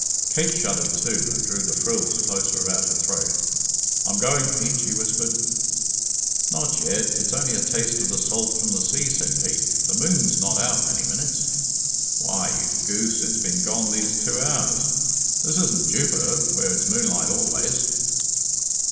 Kate shuddered too, and drew the frills closer about her throat. "I'm going, Pete," she whispered. "Not yet. It's only a taste of the salt from the sea," said Pete. "The moon's not out many minutes." "Why, you goose, it's been gone these two hours. This isn't Jupiter, where it's moonlight always."